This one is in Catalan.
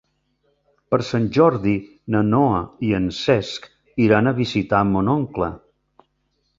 Per Sant Jordi na Noa i en Cesc iran a visitar mon oncle.